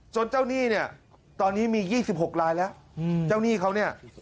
เจ้าหนี้เนี่ยตอนนี้มี๒๖ลายแล้วเจ้าหนี้เขาเนี่ย